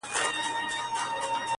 درواري دي سم شاعر سه قلم واخله.